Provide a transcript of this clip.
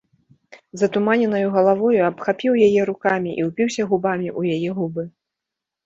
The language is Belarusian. З затуманенаю галавою абхапіў яе рукамі і ўпіўся губамі ў яе губы.